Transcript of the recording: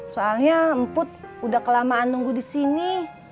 soalnya emput udah kelamaan nunggu disini